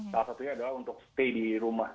salah satunya adalah untuk stay di rumah